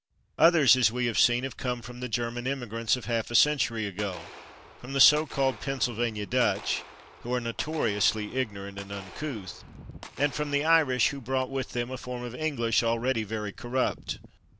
Others, as we have seen, have come from the German immigrants of half a century ago, from the so called Pennsylvania Dutch (who are notoriously ignorant and uncouth), and from the Irish, who brought with them a form of English already very corrupt.